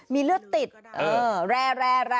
มีเลือดติดแร่